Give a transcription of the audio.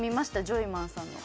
ジョイマンさんの。